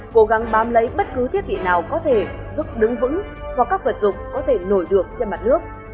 cố gắng bám lấy bất cứ thiết bị nào có thể giúp đứng vững hoặc các vật dụng có thể nổi được trên mặt nước